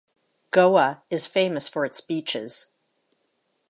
Goa is famous for its beaches.